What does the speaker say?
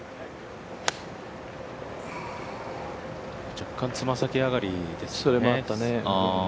若干爪先上がりですね。